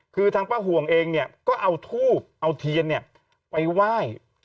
คือทางป้าห่วงเองเนี่ยก็เอาทูบเอาเทียนไปไหว้